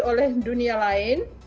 oleh dunia lain